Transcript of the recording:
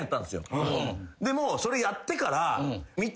でもそれやってから見たら。